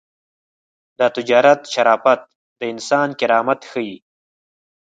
د تجارت شرافت د انسان کرامت ښيي.